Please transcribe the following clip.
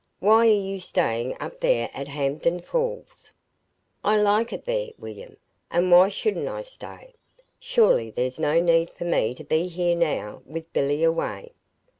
Why are you staying up there at Hampden Falls?" "I like it there, William; and why shouldn't I stay? Surely there's no need for me to be here now, with Billy away!"